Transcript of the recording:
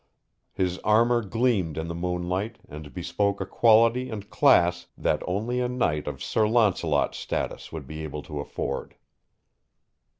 His armor gleamed in the moonlight and bespoke a quality and class that only a knight of Sir Launcelot's status would be able to afford.